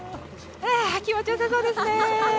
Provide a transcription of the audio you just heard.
気持ち良さそうですね！